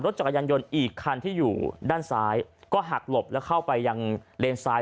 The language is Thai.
จักรยานยนต์อีกคันที่อยู่ด้านซ้ายก็หักหลบแล้วเข้าไปยังเลนซ้าย